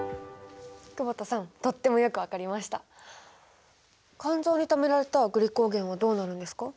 久保田さんとってもよく分かりました肝臓にためられたグリコーゲンはどうなるんですか？